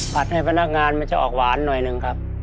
ให้พนักงานมันจะออกหวานหน่อยหนึ่งครับ